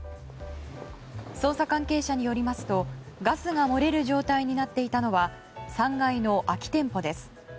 捜査関係者によりますとガスが漏れる状態になっていたのは３階の空き店舗です。